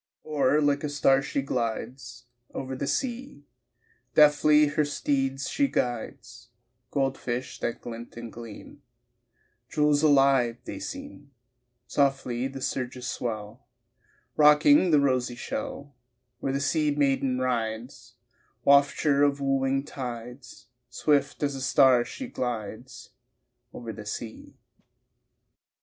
Or like a star she glides Over the sea, Deftly her steeds she guides Gold fish that glint and gleam, Jewels alive they seem Softly the surges swell, Rocking the rosy shell Where the sea maiden rides, Wafture of wooing tides, Swift as a star she glides Over the sea.